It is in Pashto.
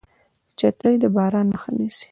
چترۍ د باران مخه نیسي